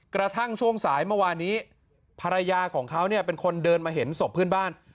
กระทั่งช่วงสายเมื่อวานนี้ภรรยาของเขาเนี่ยเป็นคนเดินมาเห็นศพเพื่อนบ้าน